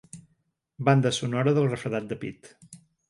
Banda sonora del refredat de pit.